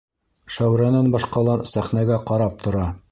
Шәүрәнән башҡалар сәхнәгә ҡарап тора.